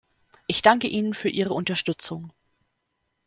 Ich danke Ihnen für Ihre Unterstützung!